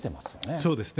そうですね。